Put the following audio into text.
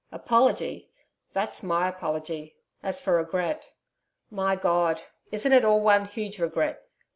Apology! that's my apology As for regret. My God! isn't it all one huge regret?